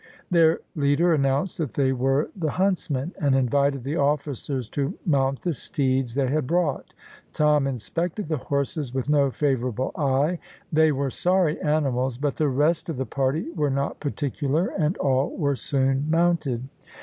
Their leader announced that they were the huntsmen, and invited the officers to mount the steeds they had brought. Tom inspected the horses with no favourable eye. They were sorry animals, but the rest of the party were not particular, and all were soon mounted.